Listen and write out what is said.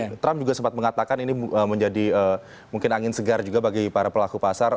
trump juga sempat mengatakan ini menjadi mungkin angin segar juga bagi para pelaku pasar